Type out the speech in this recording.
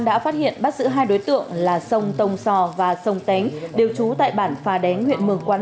đã phát hiện bắt giữ hai đối tượng là sông tông sò và sông tánh điều trú tại bản phà đánh huyện mường quắn